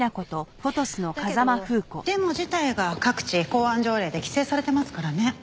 だけどデモ自体が各地公安条例で規制されてますからね。